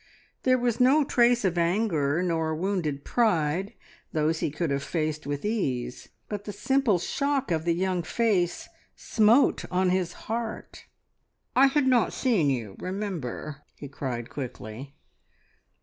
There was no trace of anger, nor wounded pride those he could have faced with ease but the simple shock of the young face smote on his heart. "I had not seen you, remember!" he cried quickly.